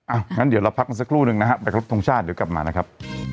งั้นเดี๋ยวเราพักกันสักครู่นึงนะฮะไปครบทรงชาติเดี๋ยวกลับมานะครับ